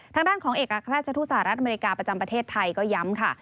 ทางด้านของเอกราชทูตสหรัฐอเมริกาประจำประเทศไทยก็ย้ำค่ะ